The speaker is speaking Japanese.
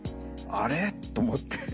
あれ？と思って。